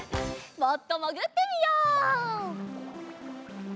もっともぐってみよう。